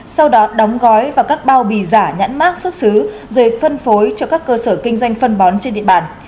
sau đó đóng gói và các bao bì giả nhãn mát xuất xứ rồi phân phối cho các cơ sở kinh doanh phân bón trên địa bàn